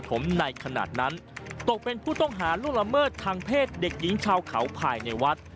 ตกเป็นผู้ต้องหาลุ้นละเมือดทางเพศเด็กหญิงชาวเขาภายในวัด